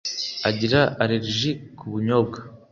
agira allergic ku bunyobwa!